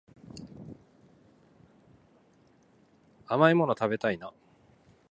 甘いもの食べたいな